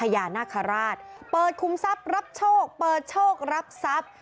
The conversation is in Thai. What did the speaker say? พญานาคาราชเปิดคุมทรัพย์รับโชคเปิดโชครับทรัพย์